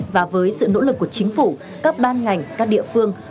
và với sự nỗ lực của chính phủ các ban ngành các địa phương